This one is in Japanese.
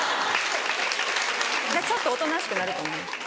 ちょっとおとなしくなると思います。